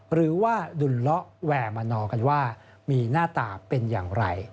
หรือว่าดุลเลาะแวมนอกันว่ามีหน้าตาเป็นอย่างไร